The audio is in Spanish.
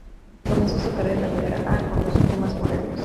Comenzó su carrera en la Primera 'A' con los Pumas Morelos.